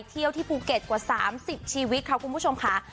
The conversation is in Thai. ไปเที่ยวที่ภูเก็ตกว่า๓๐ชีวิตครับคุณผู้ชมค่ะ